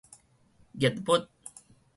孽物